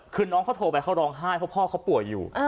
คือน้องเขาโทรไปเขาร้องไห้เพราะพ่อเขาป่วยอยู่